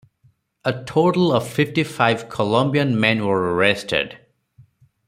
A total of fifty-five Colombian men were arrested.